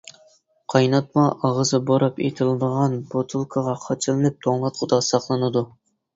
قايناتما ئاغزى بۇراپ ئېتىلىدىغان بوتۇلكىغا قاچىلىنىپ توڭلاتقۇدا ساقلىنىدۇ.